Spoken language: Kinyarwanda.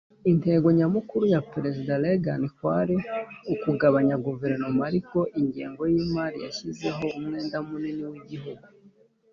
intego nyamukuru ya perezida reagan kwari ukugabanya guverinoma. ariko ingengo yimari yashizeho umwenda munini wigihugu.